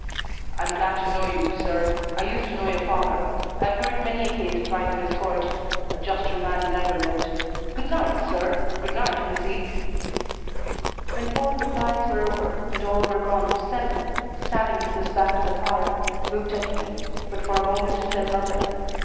"I'm glad to know you, sir. I used to know your father. I've heard many a case tried in his court. A juster man never lived. Good night, sir. Good night, Miss Heath." When all good bys were over and all were gone Selwyn, standing with his back to the fire, looked at me, but for a moment said nothing.